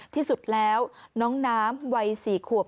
ที่สุดแล้วน้องน้ำวัย๔ขวบ